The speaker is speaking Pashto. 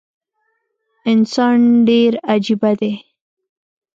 انسان ډیر عجیبه دي